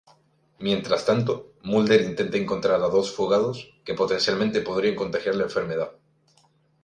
Mientras tanto, Mulder intenta encontrar a dos fugados que potencialmente podrían contagiar la enfermedad.